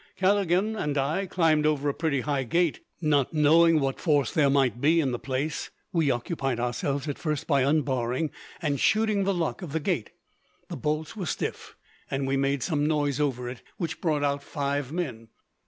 Callaghan and I climbed over a pretty high gate. Not knowing what force there might be in the place, we occupied ourselves, at first, by unbarring and shooting the lock of the gate. The bolts were stiff, and we made some noise over it, which brought out five men.